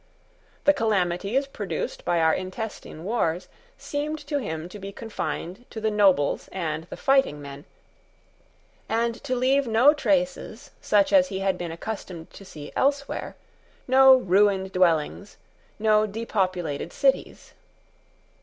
The calamities produced by our intestine wars seemed to him to be confined to the nobles and the fighting men, and to leave no traces such as he had been accustomed to see elsewhere, no ruined dwellings, no depopulated cities.